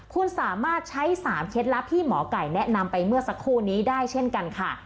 คุณสามารถใช้๓เคล็ดลับที่หมอไก่แนะนำไปเมื่อสักครู่นี้ได้เช่นกันค่ะ